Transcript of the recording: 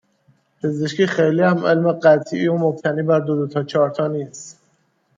پزشکی خیلی هم علم قطعی و مبتنی بر دو دوتا چهارتا نیست